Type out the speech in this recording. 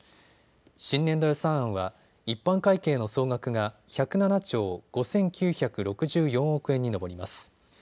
新年度予算案は一般会計の総額が１０７兆５９６４億円に上ります。